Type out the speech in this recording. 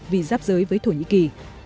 vì giáp giới với thổ nhĩ kỳ